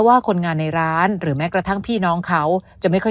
ว่าคนงานในร้านหรือแม้กระทั่งพี่น้องเขาจะไม่ค่อย